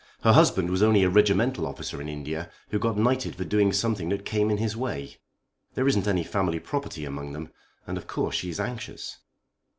Her husband was only a regimental officer in India who got knighted for doing something that came in his way. There isn't any family property among them, and of course she is anxious."